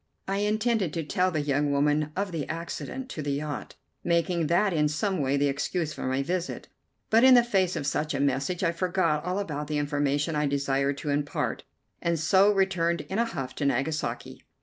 I had intended to tell the young woman of the accident to the yacht, making that in some way the excuse for my visit; but in the face of such a message I forgot all about the information I desired to impart, and so returned in a huff to Nagasaki.